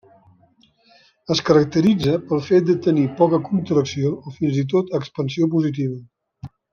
Es caracteritza pel fet de tenir poca contracció o fins i tot expansió positiva.